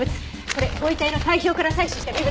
これご遺体の体表から採取した微物。